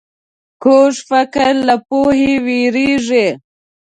کوږ فکر له پوهې وېرېږي